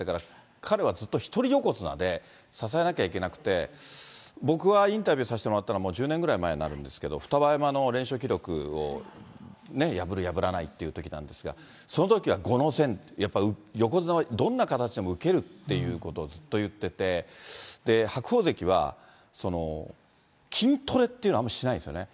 彼はずっと１人横綱で支えなきゃいけなくて、僕がインタビューさせてもらったのはもう１０年ぐらい前になるんですけど、双葉山の連勝記録を破る、破らないというときなんですが、そのときはごのせん、やっぱり横綱はどんな形でも受けるということをずっと言ってて、白鵬関は、筋トレっていうのはあんまりしないんですよね。